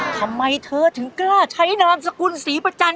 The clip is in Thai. ทำไมเธอถึงกล้าใช้นามสกุลศรีประจันท